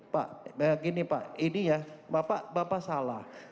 pak begini pak ini ya bapak salah